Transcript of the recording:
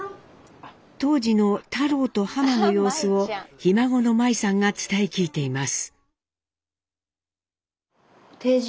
当時の太郎とハマの様子をひ孫の舞さんが伝え聞いています。